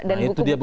nah itu dia bu